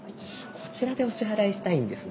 こちらでお支払いしたいんですが。